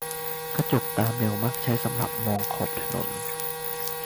กระจกตาแมวมักใช้สำหรับมองขอบถนน